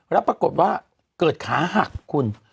แล้วปรากฏว่าเกิดขาหักคุณ